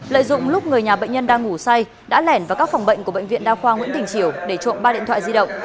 lợi dụng lúc người nhà bệnh nhân đang ngủ say đã lẻn vào các phòng bệnh của bệnh viện đa khoa nguyễn đình triều để trộm ba điện thoại di động